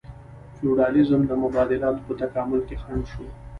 فیوډالیزم د مبادلاتو په تکامل کې خنډ شو.